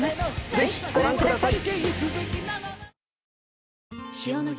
ぜひご覧ください。